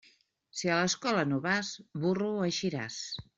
Si a l'escola no vas, burro eixiràs.